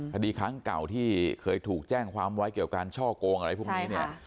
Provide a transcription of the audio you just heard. คดีครั้งเก่าที่เคยถูกแจ้งความไว้เกี่ยวการช่อกงอะไรพวกนี้เนี่ย